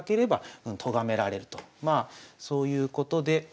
まあそういうことで。